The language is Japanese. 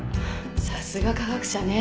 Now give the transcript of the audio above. さすが科学者ね。